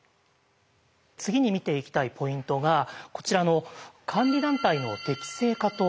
次に見ていきたいポイントがこちらの監理団体の適正化というものです。